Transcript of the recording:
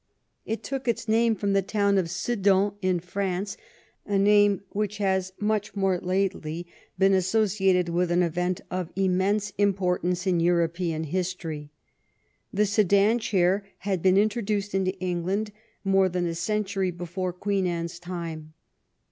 It took its name from the town of Sedan, in France, a name which has much more lately been associated with an event of immense importance in European history. The sedan chair had been introduced into England more than a century before Queen Anne's time.